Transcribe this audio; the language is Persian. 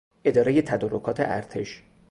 اداره تدارکات ارتش